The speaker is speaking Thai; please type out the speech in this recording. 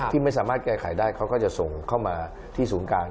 ที่ไม่สามารถแก้ไขได้เขาก็จะส่งเข้ามาที่ศูนย์กลาง